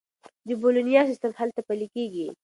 د بولونیا سیستم هلته پلي کیږي.